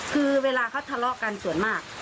คือเวลาเขาทะเลาะกันส่วนมาก